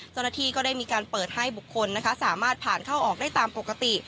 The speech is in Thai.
เจ้าหน้าที่ก็ได้มีการเปิดให้บุคคลนะคะสามารถผ่านเข้าออกได้ตามปกติ